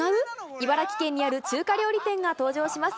茨城県にある中華料理店が登場します。